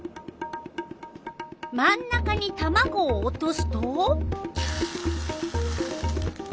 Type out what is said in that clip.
真ん中にたまごを落とすと？